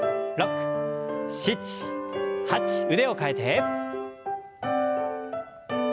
腕を替えて。